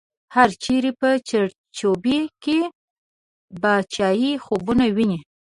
هر چړی په چړچوبۍ کی، باچایې خوبونه وینې